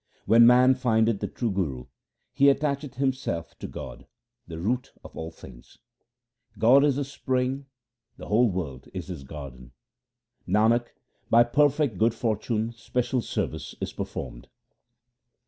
When man findeth the true Guru, he attacheth himself to God, the root of all things. God is the spring ; the whole world is His garden ; Nanak, by perfect good fortune special service is per formed.